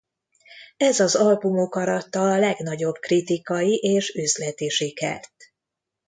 Ez az albumuk aratta a legnagyobb kritikai és üzleti sikert.